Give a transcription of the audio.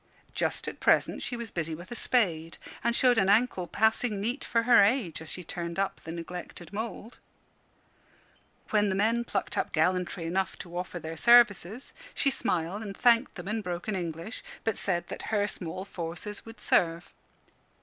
Just at present she was busy with a spade, and showed an ankle passing neat for her age, as she turned up the neglected mould. When the men plucked up gallantry enough to offer their services, she smiled and thanked them in broken English, but said that her small forces would serve.